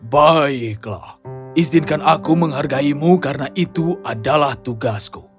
baiklah izinkan aku menghargaimu karena itu adalah tugasku